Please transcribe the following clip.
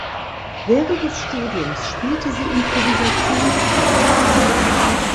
Während des Studiums spielte sie Improvisationstheater.